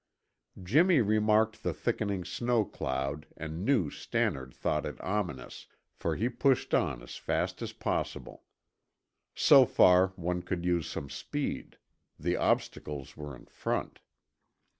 Jimmy remarked the thickening snow cloud and knew Stannard thought it ominous, for he pushed on as fast as possible. So far, one could use some speed; the obstacles were in front.